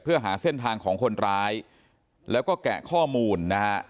เพื่อหาเส้นทางของคนร้ายแล้วก็แกะข้อมูลนะฮะ